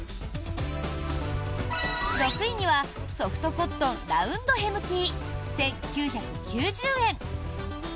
６位にはソフトコットンラウンドヘムＴ１９９０円。